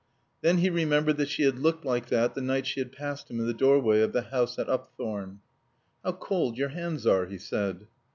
Then he remembered that she had looked like that the night she had passed him in the doorway of the house at Upthorne. "How cold your hands are," he said.